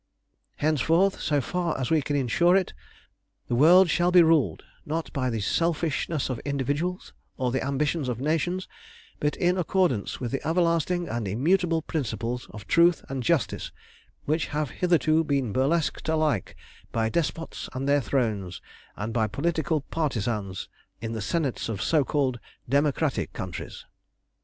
"Henceforth, so far as we can insure it, the world shall be ruled, not by the selfishness of individuals, or the ambitions of nations, but in accordance with the everlasting and immutable principles of truth and justice, which have hitherto been burlesqued alike by despots on their thrones and by political partisans in the senates of so called democratic countries.